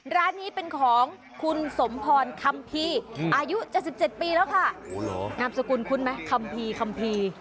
ร้านนี้เป็นของคุณสมพอนครัมภีร์อายุจะ๑๗ปีแล้วค่ะงามสกุลคุณไหมครัมภีร์